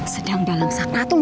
sedang dalam sakit atau mau